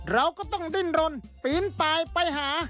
เราก็ต้องดิ้นรนปีนปลายไปหา